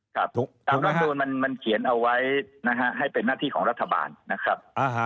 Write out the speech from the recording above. ตามรัฐมนูลมันเขียนเอาไว้นะฮะให้เป็นหน้าที่ของรัฐบาลนะครับ